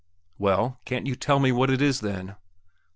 ] "Well, can't you tell me what it is, then?"